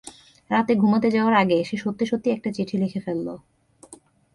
রাতে ঘুমুতে যাওয়ার আগে সে সত্যি সত্যি একটা চিঠি লিখে ফেলল।